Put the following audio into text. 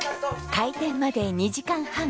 開店まで２時間半。